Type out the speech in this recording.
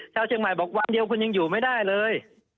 ชาวเชียงใหม่บอกวันเดียวคุณยังอยู่ไม่ได้เลย